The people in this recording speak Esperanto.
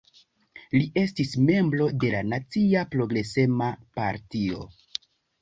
Li estis membro de la Nacia Progresema Partio.